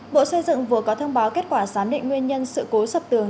bộ xây dựng vừa có thông báo kết quả giám định nguyên nhân sự cố sập tường